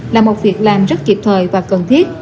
là một việc làm rất kịp thời và cần thiết